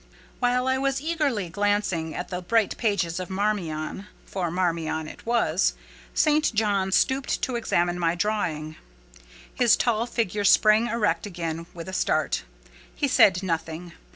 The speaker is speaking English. While I was eagerly glancing at the bright pages of "Marmion" (for "Marmion" it was), St. John stooped to examine my drawing. His tall figure sprang erect again with a start: he said nothing.